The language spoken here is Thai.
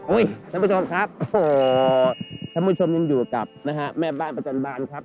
ท่านผู้ชมครับโอ้โหท่านผู้ชมยังอยู่กับนะฮะแม่บ้านประจำบานครับ